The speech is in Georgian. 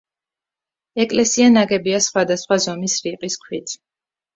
ეკლესია ნაგებია სხვადასხვა ზომის რიყის ქვით.